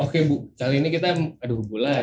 oke bu kali ini kita aduh bu lah